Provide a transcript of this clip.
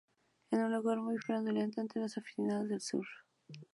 Es un lugar muy frecuentado entre los aficionados al surf.